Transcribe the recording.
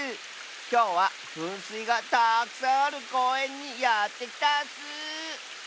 きょうはふんすいがたくさんあるこうえんにやってきたッス！